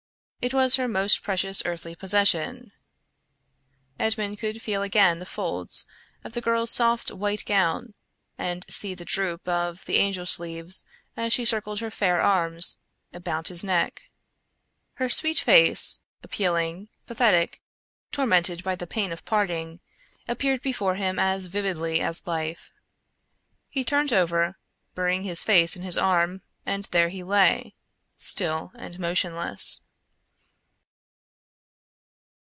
It was her most precious earthly possession. Edmond could feel again the folds of the girl's soft white gown, and see the droop of the angel sleeves as she circled her fair arms about his neck. Her sweet face, appealing, pathetic, tormented by the pain of parting, appeared before him as vividly as life. He turned over, burying his face in his arm and there he lay, still and motionless.